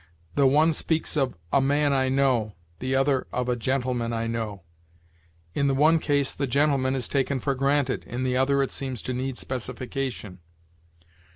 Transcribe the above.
The one speaks of 'a man I know,' the other of 'a gentleman I know.' In the one case the gentleman is taken for granted, in the other it seems to need specification.